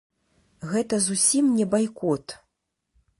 Гэта зусім не байкот.